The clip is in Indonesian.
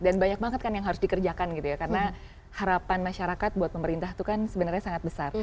dan banyak banget kan yang harus dikerjakan gitu ya karena harapan masyarakat buat pemerintah itu kan sebenarnya sangat besar